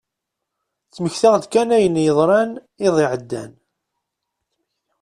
Ttmektiɣ-d kan ayen yeḍran iḍ iɛeddan.